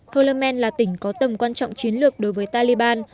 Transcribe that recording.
colomen là tỉnh có tầm quan trọng chiến lược đối với taliban